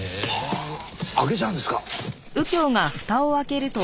ああ開けちゃうんですか？